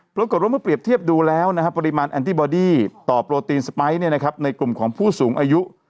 ปรากฏว่าเมื่อเปรียบเทียบดูแล้วปริมาณแอนตี้บอดี้ต่อโปรตีนสไปร์ในกลุ่มของผู้สูงอายุ